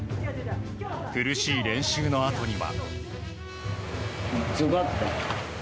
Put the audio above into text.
苦しい練習のあとには。